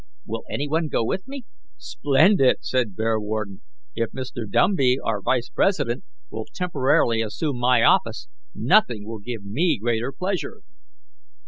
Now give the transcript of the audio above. Will any one go with me?" "Splendid!" said Bearwarden. "If Mr. Dumby, our vice president, will temporarily assume my office, nothing will give me greater pleasure."